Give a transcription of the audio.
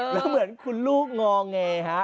แล้วเหมือนคุณลูกงอแงฮะ